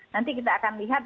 nanti kita akan lihat